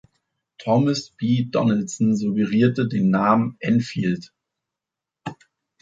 Thomas B. Donaldson suggerierte den Namen Enfield.